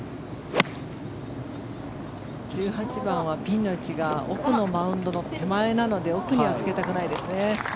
１８番はピンの位置が奥のマウンドの手前なので奥にはつけたくないですね。